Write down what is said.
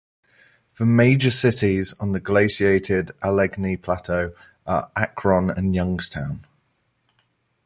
The major cities on the Glaciated Allegheny Plateau are Akron and Youngstown.